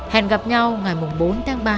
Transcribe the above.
hẹn gặp nhau ngày bốn tháng ba